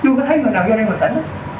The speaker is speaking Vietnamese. chưa có thấy người nào vô đây mà tỉnh